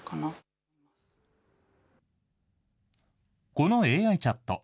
このＡＩチャット。